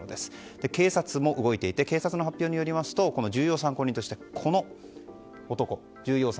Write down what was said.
警察も動いていて警察の発表によりますとこの重要参考人としてこの男が。